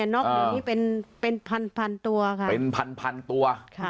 นกหูนี้เป็นพันตัว